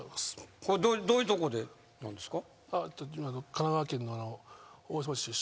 これどういうとこでなんですか？